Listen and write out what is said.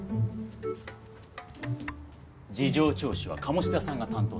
事情聴取は鴨志田さんが担当されるんですか？